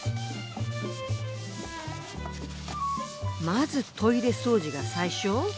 まずトイレ掃除が最初？